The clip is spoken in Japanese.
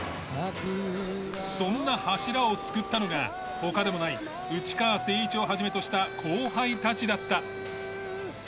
そんな柱を救ったのが他でもない内川聖一をはじめとした後輩たちだった。